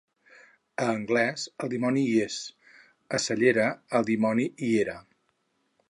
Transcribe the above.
A Anglès, el dimoni hi és; a la Cellera, el dimoni hi era.